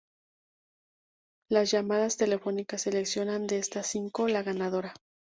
Las llamadas telefónicas seleccionan de estas cinco, la ganadora.